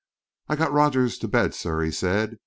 "I got Rogers to bed, sir," he said.